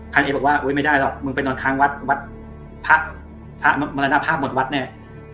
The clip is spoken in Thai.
เอบอกว่าอุ๊ยไม่ได้หรอกมึงไปนอนค้างวัดวัดพระมรณภาพหมดวัดแน่